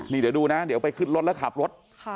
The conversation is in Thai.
นี่เดี๋ยวดูนะเดี๋ยวไปขึ้นรถแล้วขับรถ